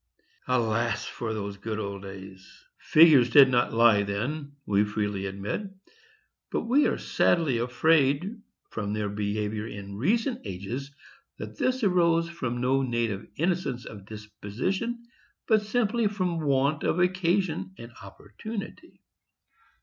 Alas for those good old days! Figures did not lie then, we freely admit; but we are sadly afraid, from their behavior in recent ages, that this arose from no native innocence of disposition, but simply from want of occasion and opportunity.